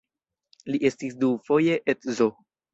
Li estis dufoje edzo.